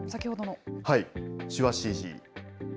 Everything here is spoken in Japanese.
手話ＣＧ。